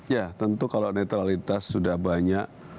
ya tentu kalau netralitas sudah banyak